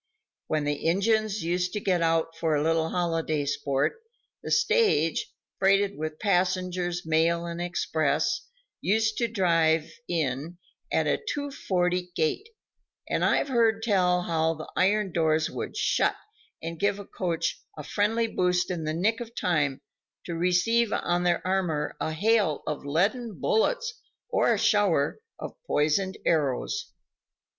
When the Injuns used to get out for a little holiday sport, the stage, freighted with passengers, mail and express, used to drive in at a two forty gait; and I've heard tell how the iron doors would shut and give the coach a friendly boost in the nick of time to receive on their armor a hail of leaden bullets or a shower of poisoned arrows.